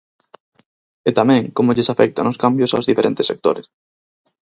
E tamén como lles afectan os cambios aos diferentes sectores.